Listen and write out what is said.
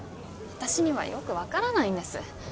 私にはよく分からないんです